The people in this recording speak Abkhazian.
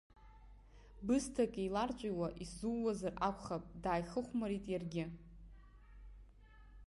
Бысҭак еиларҵәиуа исзуузар акәхап, дааихыхәмарит иаргьы.